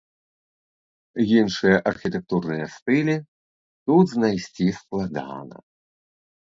Іншыя архітэктурныя стылі тут знайсці складана.